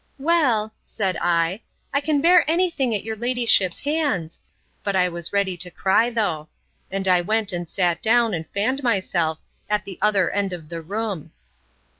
Well, said I, I can bear anything at your ladyship's hands; but I was ready to cry though. And I went, and sat down, and fanned myself, at the other end of the room.